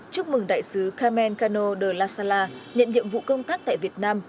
chúc mừng đại sứ carmen cano de la sala nhận nhiệm vụ công tác tại việt nam